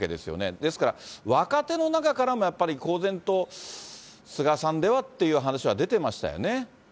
ですから若手の中からも、やっぱり、公然と菅さんではっていう話、出てましたよね。